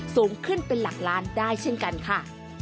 สูงขึ้นเป็นหลักล้านได้เช่นกันค่ะ